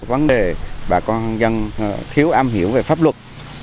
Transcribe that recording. vấn đề bà con dân thiếu am hiểu về pháp luật